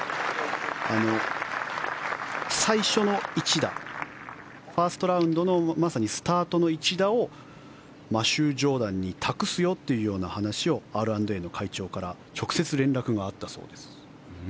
最初の一打ファーストラウンドのまさにスタートの一打をマシュー・ジョーダンに託すよというような話をＲ＆Ａの会長から直接連絡があったそうです。